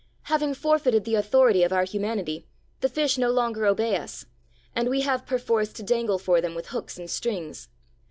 Having forfeited the authority of our humanity, the fish no longer obey us, and we have perforce to dangle for them with hooks and strings.